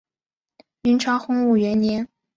明朝洪武元年。